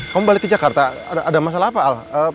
kamu balik ke jakarta ada masalah apa al